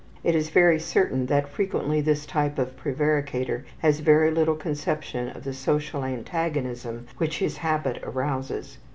It is very certain that frequently this type of prevaricator has very little conception of the social antagonism which his habit arouses.